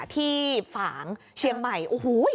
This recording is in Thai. ฝางเชียงใหม่โอ้โห